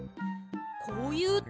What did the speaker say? こういうときは。